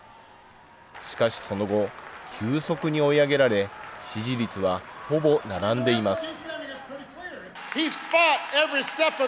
しかしその後、急速に追い上げられ、支持率はほぼ並んでいます。